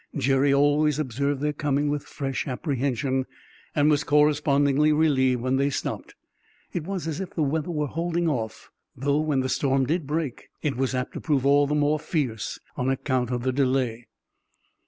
Jerry always observed their coming with fresh apprehension, and was correspondingly relieved when they stopped. It was as if the weather were holding off, though when the storm did break it was apt to prove all the more fierce on account of the delay.